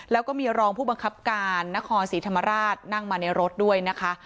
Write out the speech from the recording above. แล้วก็มีรองผู้บังคับการนครศรีธรรมราชนั่งมาในรถด้วยนะคะ